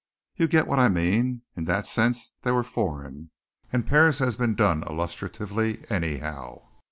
You get what I mean. In that sense they were foreign, and Paris has been done illustratively anyhow.